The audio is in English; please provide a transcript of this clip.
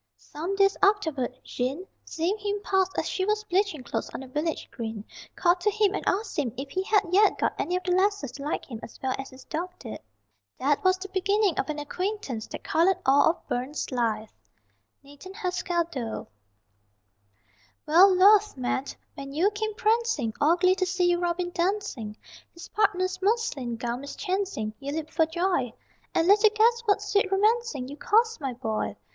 Some days afterward, Jean, seeing him pass as she was bleaching clothes on the village green, called to him and asked him if he had yet got any of the lasses to like him as well as his dog did. That was the beginning of an acquaintance that coloured all of Burns's life._ NATHAN HASKELL DOLE. Well, Luath, man, when you came prancing All glee to see your Robin dancing, His partner's muslin gown mischancing You leaped for joy! And little guessed what sweet romancing You caused, my boy!